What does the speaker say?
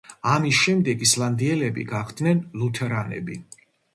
ამის შემდეგ ისლანდიელები გახდნენ ლუთერანები.